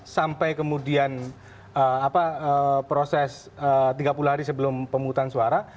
sampai kemudian proses tiga puluh hari sebelum pemungutan suara